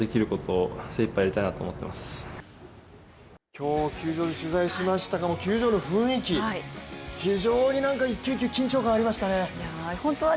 今日球場で取材しましたけれども球場の雰囲気、非常に一球一球緊張感ありましたね。